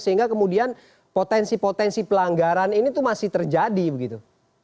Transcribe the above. sehingga kemudian potensi potensi pelanggaran ini tuh masih terjadi begitu